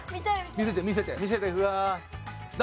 見せて見せて。